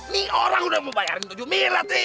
nih orang udah mau bayarin tujuh milet nih